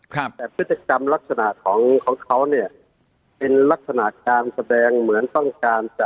แต่พฤติกรรมลักษณะของของเขาเนี่ยเป็นลักษณะการแสดงเหมือนต้องการจะ